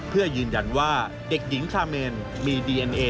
เพื่อยืนยันว่าเด็กหญิงคาเมนมีดีเอ็นเอ